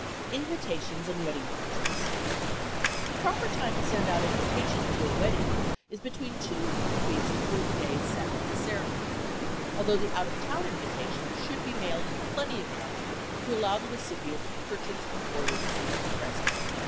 INVITATIONS AND WEDDING PRESENTS The proper time to send out invitations to a wedding is between two and three weeks before the day set for the ceremony, although the out of town invitations should be mailed in plenty of time to allow the recipient to purchase and forward a suitable present.